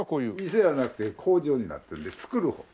店はなくて工場になってるんで作るほう。